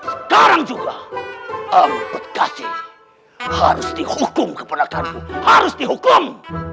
sekarang juga ambedkasi harus dihukum keponokanku harus dihukum